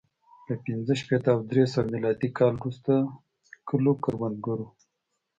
له پنځه شپېته او درې سوه میلادي کال وروسته کلو کروندګرو